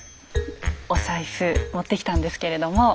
お財布持ってきたんですけれどもちょっと。